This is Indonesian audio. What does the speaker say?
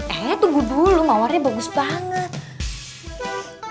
eh tunggu dulu mawarnya bagus banget